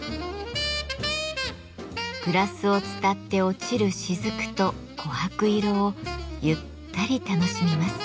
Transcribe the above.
グラスを伝って落ちる滴と琥珀色をゆったり楽しみます。